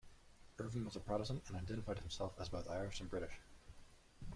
Ervine was a Protestant and identified himself as both Irish and British.